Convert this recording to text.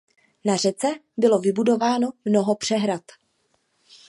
Na řece bylo vybudováno mnoho přehrad.